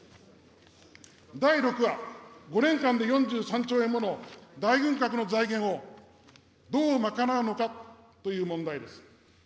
第６は、５年間で４３兆円もの大軍拡の財源を、どう賄うのかという問題です。